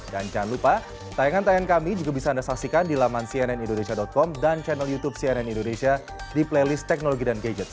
dan jangan lupa tayangan tayan kami juga bisa anda saksikan di laman cnnindonesia com dan channel youtube cnn indonesia di playlist teknologi dan gadget